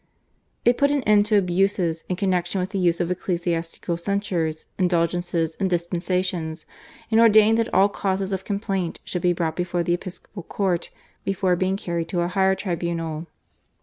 It put an end to abuses in connexion with the use of ecclesiastical censures, indulgences, and dispensations, and ordained that all causes of complaint should be brought before the episcopal court before being carried to a higher tribunal.